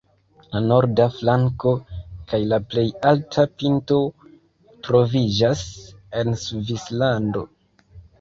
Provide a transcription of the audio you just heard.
La norda flanko kaj la plej alta pinto troviĝas en Svislando.